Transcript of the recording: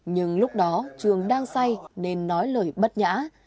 nhưng lúc đó trường đang say nên nói lời bất nhã